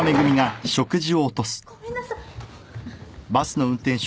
ごめんなさい。